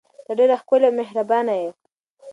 ته ډیره ښکلې او مهربانه یې.